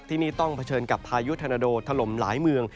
ที่นี่ต้องเผชิญกับพายุธนโดถล่มหลายเมือง